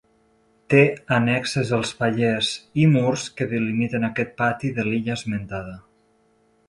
Té annexes els pallers i murs que delimiten aquest pati de l'illa esmentada.